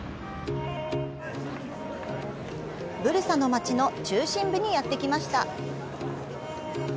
ブルサの街の中心部にやってきました。